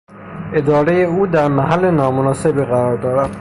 ادارهی او در محل نامناسبی قرار دارد.